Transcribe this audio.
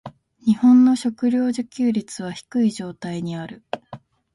日本の食糧自給率は低い状態にある。